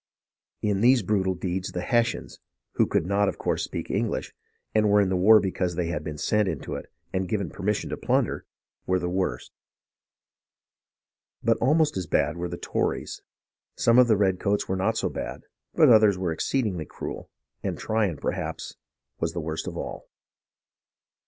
In these brutal deeds the Hessians, who could not of course speak English, and were in the war because they had been sent into it and given permission to plunder, were the worst ; but almost as bad were the Tories. Some of the redcoats were not so bad, but others were exceedingly cruel, and Tryon perhaps was the worst of all.